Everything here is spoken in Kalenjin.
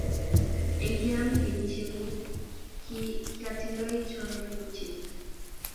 Eng kiami kenyisiek kuk ki kiyatindoi chorwet ne chepto